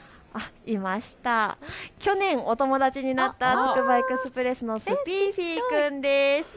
去年、お友だちになったつくばエクスプレスのスピーフィ君です。